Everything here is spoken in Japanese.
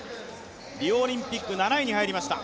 リオオリンピック７位に入りました